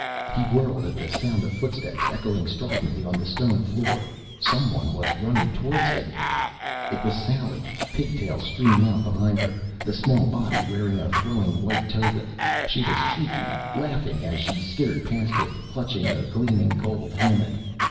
He whirled at the sound of footsteps, echoing stridently on the stone floor. Someone was running towards him. It was Sally, pigtails streaming out behind her, the small body wearing a flowing white toga. She was shrieking, laughing as she skittered past him, clutching a gleaming gold helmet.